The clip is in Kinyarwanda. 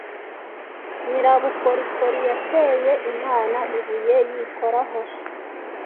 Nyirabukorikori yateye imana ibuye y’ikoraho